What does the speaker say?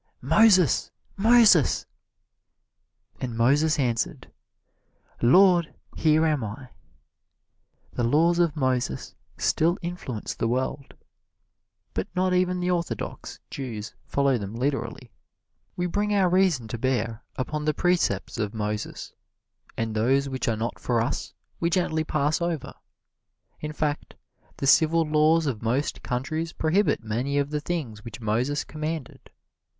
"Moses, Moses!" And Moses answered, "Lord, here am I." The laws of Moses still influence the world, but not even the orthodox Jews follow them literally. We bring our reason to bear upon the precepts of Moses, and those which are not for us we gently pass over. In fact, the civil laws of most countries prohibit many of the things which Moses commanded.